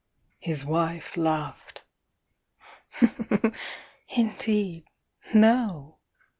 His wife laughed. "Indeed, no!"